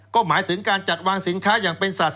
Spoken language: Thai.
ก็หมายถึงการจัดวางสินค้าอย่างเป็นสัตว